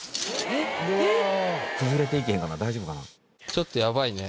ちょっとやばいね。